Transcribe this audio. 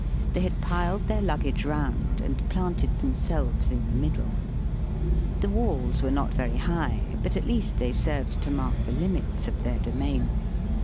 They had piled their luggage round and planted themselves in the middle. The walls were not very high, but at least they served to mark the limits of their domain.